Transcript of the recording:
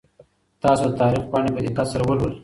تاسو د تاریخ پاڼې په دقت سره ولولئ.